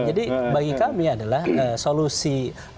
jadi bagi kami adalah solusi